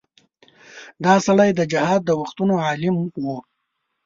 دا سړی د جهاد د وختونو عالم و.